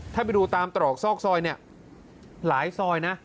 ถ้าไปดูตามตรอกซอกซอยเนี่ยหลายซอยนะ